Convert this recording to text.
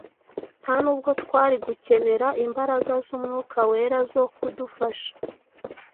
nta n’ubwo twari gukenera imbaraga z’Umwuka Wera zo kudufasha.